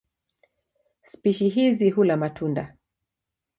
Spishi hizi hula matunda.